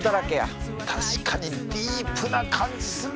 確かにディープな感じするね